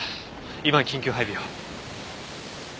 今緊急配備を。